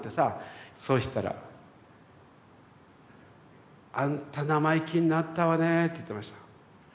そうしたら「あんた生意気になったわねぇ」って言ってました。